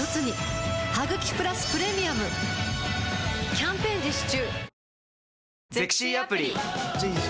キャンペーン実施中